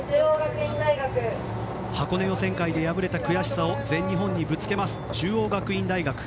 箱根予選会で敗れた悔しさを全日本にぶつけます中央学院大学。